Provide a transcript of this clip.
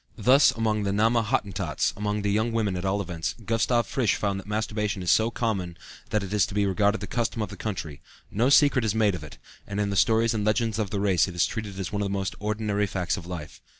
Thus, among the Nama Hottentots, among the young women at all events, Gustav Fritsch found that masturbation is so common that it is regarded as a custom of the country; no secret is made of it, and in the stories and legends of the race it is treated as one of the most ordinary facts of life.